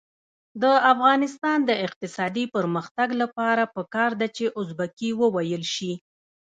د افغانستان د اقتصادي پرمختګ لپاره پکار ده چې ازبکي وویل شي.